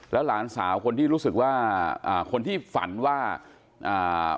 หลานสาวคนที่รู้สึกว่าอ่าคนที่ฝันว่าอ่า